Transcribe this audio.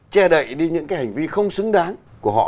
che đậy đi những cái hành vi không xứng đáng của họ